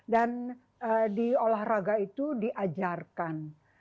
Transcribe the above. dan di olahraga itu diajarkan